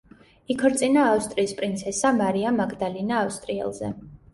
იქორწინა ავსტრიის პრინცესა მარია მაგდალინა ავსტრიელზე.